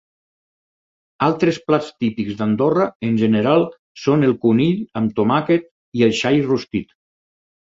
Altres plats típics d'Andorra en general són el conill amb tomàquet i el xai rostit.